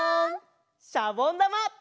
しゃぼんだま！